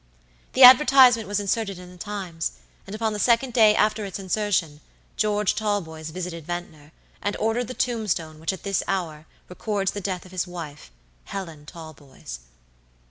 "The advertisement was inserted in the Times, and upon the second day after its insertion George Talboys visited Ventnor, and ordered the tombstone which at this hour records the death of his wife, Helen Talboys."